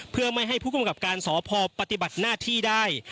เพื่อไม่ให้ผู้กำกับการสพปฏิบัติหน้าที่ได้